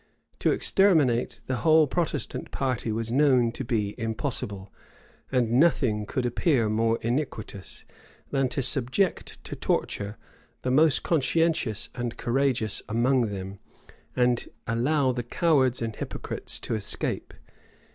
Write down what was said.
To exterminate the whole Protestant party was known to be impossible; and nothing could appear more iniquitous, than to subject to torture the most conscientious and courageous among them, and allow the cowards and hypocrites to escape.